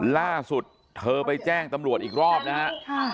ล่าสุดเธอไปแจ้งตำรวจอีกรอบนะฮะ